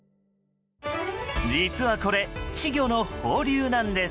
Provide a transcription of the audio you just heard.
実はこれ、稚魚の放流なんです。